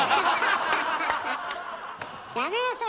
やめなさい